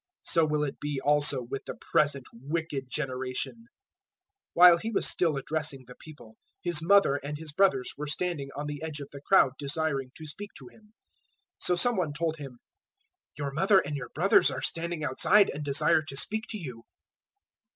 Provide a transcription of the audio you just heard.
So will it be also with the present wicked generation." 012:046 While He was still addressing the people His mother and His brothers were standing on the edge of the crowd desiring to speak to Him. 012:047 So some one told Him, "Your mother and your brothers are standing outside, and desire to speak to you."